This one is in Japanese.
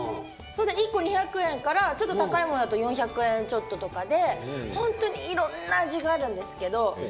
１個２００円からちょっと高いものだと４００円ちょっととかでホントにいろんな味があるんですけど。